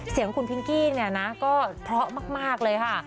เสียงคุณพิงกี้เนี่ยนะก็เพราะมากเลยค่ะ